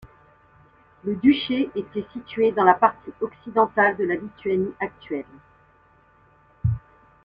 Le duché était situé dans la partie occidentale de la Lituanie actuelle.